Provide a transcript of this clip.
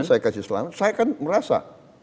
saya kasih selamat saya kan merasa